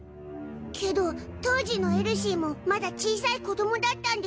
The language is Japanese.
けど当時のエルシーもまだ小さい子供だったんでしょ？